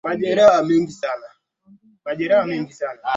Pundamilia ni moja wa wanyama wanaoambatana na nyumbu wakati wakihama hama